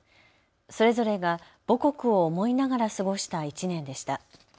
それぞれが母国を思いながら過ごした１年でした。